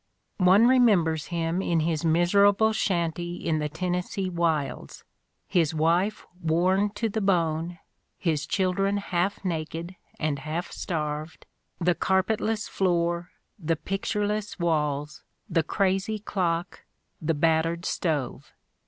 One remembers him in his miserable shanty in the Tennessee wilds, his wife worn to the bone, his children half naked and half starved, the carpetless floor, the pietureless walls, the crazy clock, the battered stove.